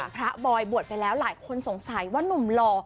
บอยบวชไปแล้วหลายคนสงสัยว่านุ่มหล่อ